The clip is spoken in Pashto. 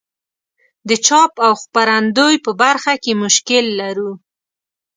د چاپ او خپرندوی په برخه کې مشکل لرو.